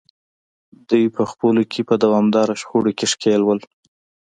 دوی په خپلو کې په دوامداره شخړو کې ښکېل وو.